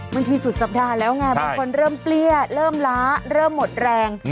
สุดสัปดาห์แล้วไงบางคนเริ่มเปรี้ยเริ่มล้าเริ่มหมดแรง